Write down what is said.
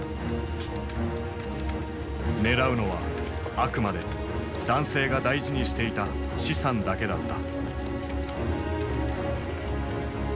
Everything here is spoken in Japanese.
狙うのはあくまで男性が大事にしていた資産だけだった。